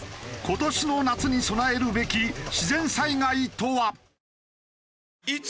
今年の夏に備えるべき自然災害とは？